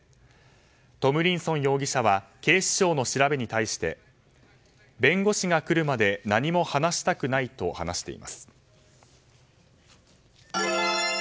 トムリンソン容疑者は警視庁の調べに対して弁護士が車で何も話したくないと話しています。